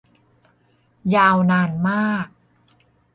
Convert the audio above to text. ยาวนานมาก